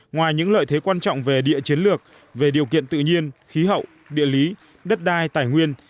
ngoài những lợi thế quan trọng về địa chiến lược về điều kiện tự nhiên khí hậu địa lý đất đai tài nguyên